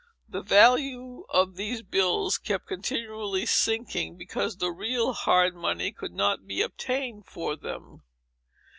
The value of these bills kept continually sinking, because the real hard money could not be obtained for them.